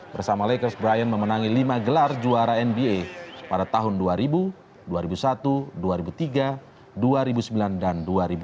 bersama lakers brian memenangi lima gelar juara nba pada tahun dua ribu dua ribu satu dua ribu tiga dua ribu sembilan dan dua ribu enam belas